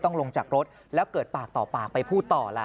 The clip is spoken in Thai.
ลงจากรถแล้วเกิดปากต่อปากไปพูดต่อล่ะ